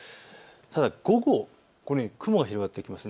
ただ、午後このように雲が広がってきます。